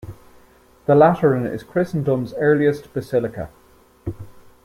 The Lateran is Christendom's earliest basilica.